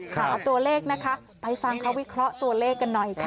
หาตัวเลขนะคะไปฟังเขาวิเคราะห์ตัวเลขกันหน่อยค่ะ